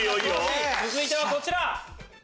続いてはこちら。